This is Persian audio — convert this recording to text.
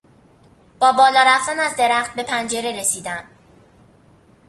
با بالا رفتن از درخت به پنجره رسیدم.